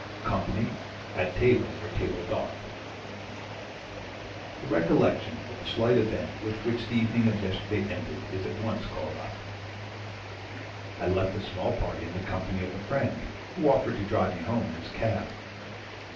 Company; at table or table d'hôte. The recollection of the slight event with which the evening of yesterday ended is at once called up. I left a small party in the company of a friend, who offered to drive me home in his cab.